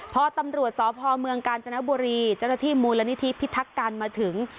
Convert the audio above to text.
พอตำรวจสพเมืองกาญจนบุรีเจ้าหน้าที่มูลนิธิพิทักการมาถึง